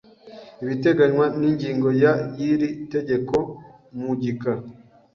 ibiteganywa n ingingo ya y iri tegeko mu gika